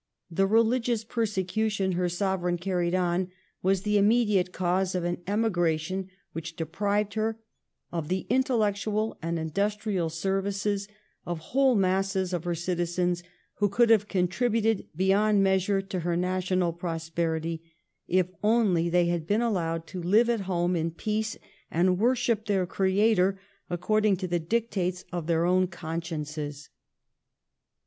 The re ligious persecution her Sovereign carried on was the immediate cause of an emigration which deprived her of the intellectual and industrial services of whole masses of her citizens who could have con tributed beyond measure to her national prosperity if only they had been allowed to live at home in peace, and worship their Creator according to the dictates of their own consciences.